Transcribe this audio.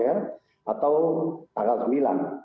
ya atau tanggal